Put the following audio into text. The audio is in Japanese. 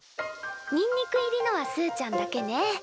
にんにく入りのはすーちゃんだけね。